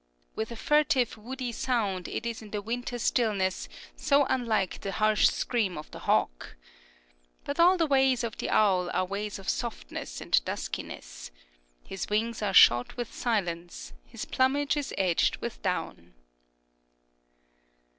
What a furtive, woody sound it is in the winter stillness, so unlike the harsh scream of the hawk! But all the ways of the owl are ways of softness and duskiness. His wings are shod with silence, his plumage is edged with down.